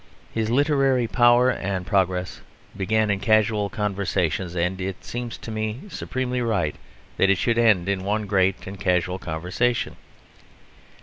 His literary power and progress began in casual conversations and it seems to me supremely right that it should end in one great and casual conversation.